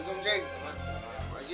selamat malam ji